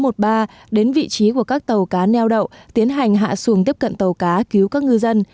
sar bốn trăm một mươi ba đến vị trí của các tàu cá neo đậu tiến hành hạ xuồng tiếp cận tàu cá cứu các ngư dân